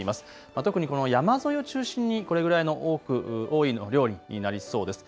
特にこの山沿いを中心にこれぐらいの多い量になりそうです。